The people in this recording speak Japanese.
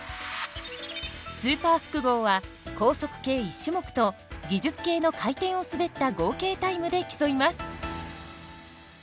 スーパー複合は、高速系１種目と技術系の回転を滑った合計タイムで競います。